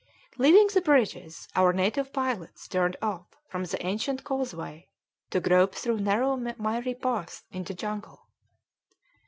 Leaving the bridges, our native pilots turned off from the ancient causeway to grope through narrow miry paths in the jungle.